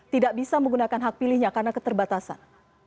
tidak bisa menggunakan hak pilihnya karena keterbatasan